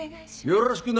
よろしくな！